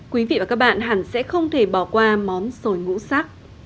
quý vị và các bạn hẳn sẽ không thể bỏ qua món sồi ngũ sắc